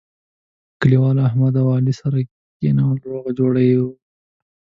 کلیوالو احمد او علي سره کېنول روغه جوړه یې ور وکړه.